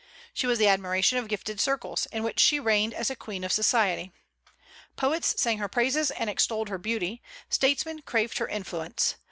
She was the admiration of gifted circles, in which she reigned as a queen of society. Poets sang her praises and extolled her beauty; statesmen craved her influence.